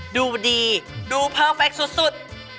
ดูดีดูเพอร์เฟคสุด